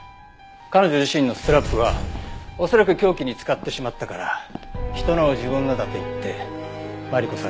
彼女自身のストラップは恐らく凶器に使ってしまったから人のを自分のだと言ってマリコさんに渡したんだ。